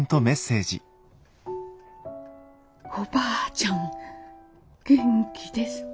「おばあちゃん元気ですか？」。